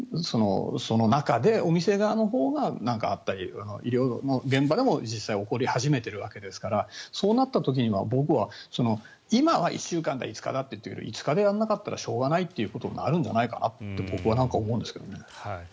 その中でお店側のほうが何かあったり医療の現場でも実際に起こり始めているわけですからそうなった時に僕は今は１週間だ５日だって言ってるけど５日でやらなかったらしょうがないということになるんじゃないかと僕は思うんですけどね。